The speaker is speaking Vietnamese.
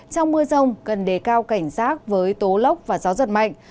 trong mưa rông cần đề cao cảnh giác với tố lốc và gió giật mạnh